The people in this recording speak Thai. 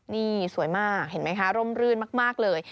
นี่สวยมากเห็นไหมคะร่มรื่นมากเลย